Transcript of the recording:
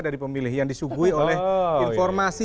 dari pemilih yang disuguhi oleh informasi